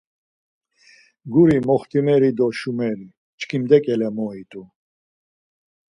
Guri moxtimeri do şumeri, çkimde ǩele moit̆u.